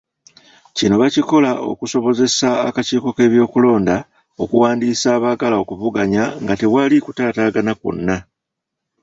Kino bakikola okusobozesa akakiiko k'ebyokulonda okuwandiisa abaagala okuvuganya nga tewali kutaataagana kwonna.